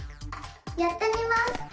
やってみます！